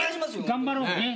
頑張ろうね。